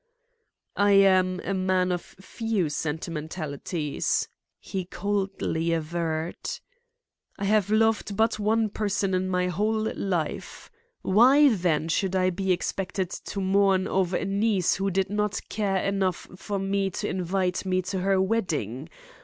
"I am a man of few sentimentalities," he coldly averred. "I have loved but one person in my whole life. Why then should I be expected to mourn over a niece who did not care enough for me to invite me to her wedding?